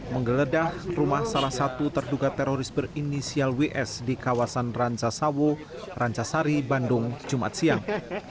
menggeledah rumah salah satu terduga teroris berinisial ws di kawasan rancasawo rancasari bandung jumat siang